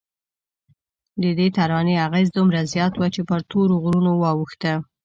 ددې ترانې اغېز دومره زیات و چې پر تورو غرونو واوښته.